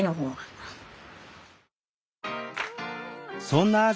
そんなあ